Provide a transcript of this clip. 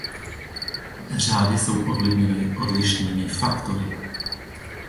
Řády jsou ovlivněny odlišnými faktory.